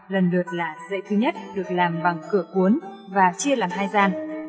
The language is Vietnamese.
lần lượt là dạy thứ nhất được làm bằng cửa cuốn và chia làm hai gian